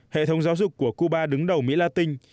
hệ thống giáo dục của cuba đứng đầu mỹ la tinh